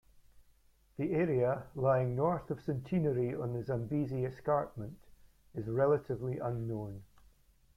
The area, lying north of Centenary on the Zambezi Escarpment, is relatively unknown.